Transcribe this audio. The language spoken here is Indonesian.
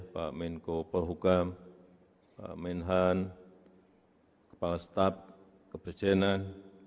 pak menko pohugam pak menhan kepala staf keberjanan